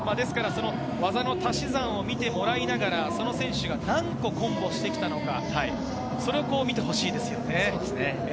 技の足し算を見てもらいながら、その選手が何個コンボしてきたのか、それを見てほしいですね。